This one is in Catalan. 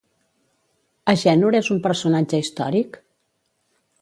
Agènor és un personatge històric?